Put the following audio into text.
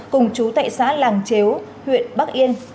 cùng chú tại xã làng chếu huyện bắc yên